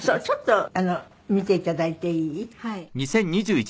ちょっと見ていただいていい？